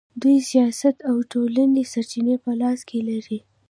دوی سیاست او ټولې سرچینې په لاس کې لري.